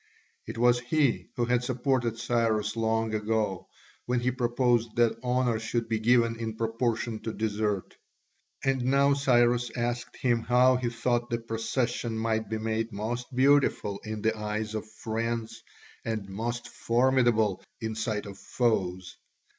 It was he who had supported Cyrus long ago when he proposed that honour should be given in proportion to desert. And now Cyrus asked him how he thought the procession might be made most beautiful in the eyes of friends and most formidable in the sight of foes.